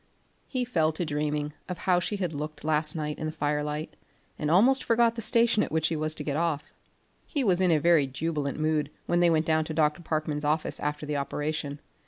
He fell to dreaming of how she had looked last night in the fire light, and almost forgot the station at which he was to get off. He was in very jubilant mood when they went down to Dr. Parkman's office after the operation.